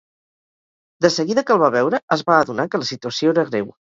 De seguida que el va veure es va adonar que la situació era greu.